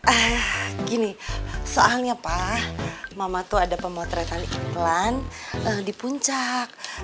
eh gini soalnya pa mama tuh ada pemotretan iklan di puncak